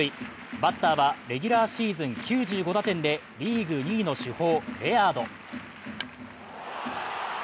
バッターはレギュラーシーズン９５打点で、リーグ２位の主砲・レアード。